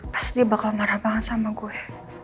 pasti dia bakal marah banget sama gue